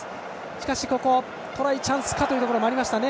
しかし、ここトライチャンスかというところもありましたね。